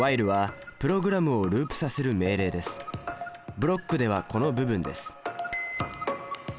ブロックではこの部分です。